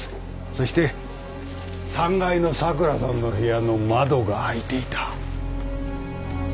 そして３階の桜さんの部屋の窓が開いていた。